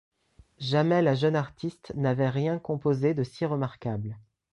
Jamais la jeune artiste n’avait rien composé de si remarquable.